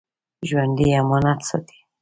ژوندي امانت ساتي